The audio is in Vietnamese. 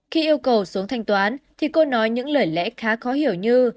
khi yêu cầu xuống thanh toán thì cô nói những lời lẽ khá khó hiểu như